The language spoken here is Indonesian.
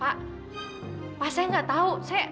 pak pak saya gak tau saya